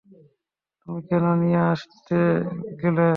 তুমি কেন নিয়ে আসতে গেলে?